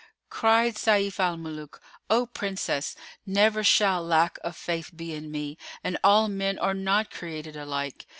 Cried Sayf al Muluk, "O Princess, never shall lack of faith be in me, and all men are not created alike."